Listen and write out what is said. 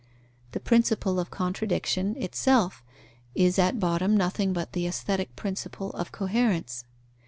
The principle of contradiction, itself, is at bottom nothing but the aesthetic principle of coherence.